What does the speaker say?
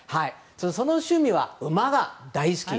その趣味は馬が大好き。